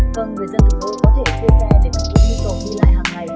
còn người dân thủ tố có thể thuê xe để thực hiện y tố đi lại hằng ngày